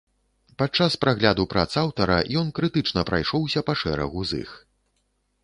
Падчас прагляду прац аўтара ён крытычна прайшоўся па шэрагу з іх.